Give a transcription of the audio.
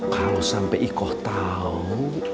kalau sampai ikoh tahu